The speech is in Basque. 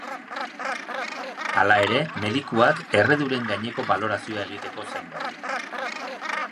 Hala ere, medikuak erreduren gaineko balorazioa egiteko zain daude.